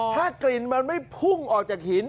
ถ้ากลิ่นมันไม่พุ่งออกจากหิน